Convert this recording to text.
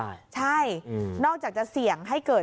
อันนี้ไม่ได้